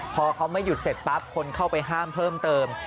พอเขาไม่หยุดเสร็จปั๊บคนเข้าไปห้ามเพิ่มเติม